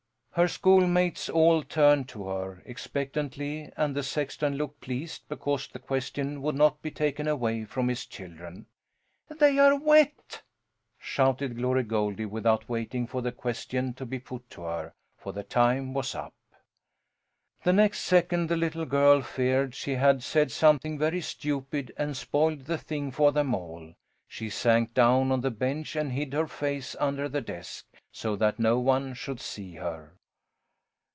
Her schoolmates all turned to her, expectantly, and the sexton looked pleased because the question would not be taken away from his children. "They are wet!" shouted Glory Goldie without waiting for the question to be put to her, for the time was up. The next second the little girl feared she had said something very stupid and spoiled the thing for them all. She sank down on the bench and hid her face under the desk, so that no one should see her.